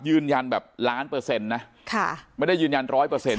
ยืนยันแบบล้านเปอร์เซ็นต์นะค่ะไม่ได้ยืนยันร้อยเปอร์เซ็น